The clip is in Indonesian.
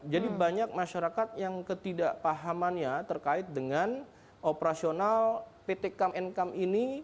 jadi banyak masyarakat yang ketidakpahamannya terkait dengan operasional pt kam nkam ini